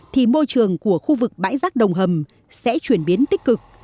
thì môi trường của khu vực bãi rác đồng hầm sẽ chuyển biến tích cực